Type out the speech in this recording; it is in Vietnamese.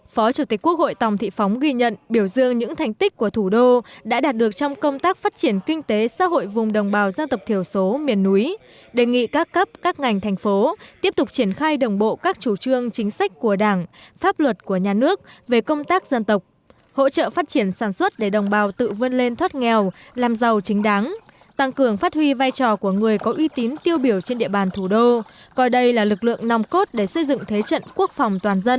phó chủ tịch quốc hội tòng thị phóng ghi nhận biểu dương những thành tích của thủ đô đã đạt được trong công tác phát triển kinh tế xã hội vùng đồng bào dân tộc thiểu số miền núi đề nghị các cấp các ngành thành phố tiếp tục triển khai đồng bộ các chủ trương chính sách của đảng pháp luật của nhà nước về công tác dân tộc hỗ trợ phát triển sản xuất để đồng bào tự vươn lên thoát nghèo làm giàu chính đáng tăng cường phát huy vai trò của người có uy tín tiêu biểu trên địa bàn thủ đô coi đây là lực lượng nòng cốt để xây dựng thế trận quốc phòng toàn dân